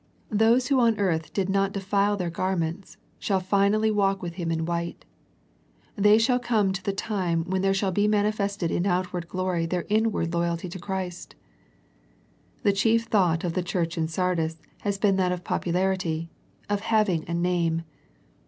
Those who on earth did not defile their garments, shall finally walk with Him in white. They shall come to the time when there shall be manifested in outward glory their inward loyalty to Christ. The chief thought of the church in Sardis had been that of popularity, of having a name.